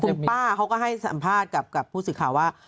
แล้วคุณป้าเขาก็ให้สัมภาษณ์กับผู้สิทธิภารณ์ว่า